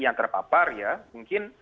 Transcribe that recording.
yang terpapar ya mungkin